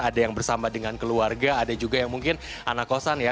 ada yang bersama dengan keluarga ada juga yang mungkin anak kosan ya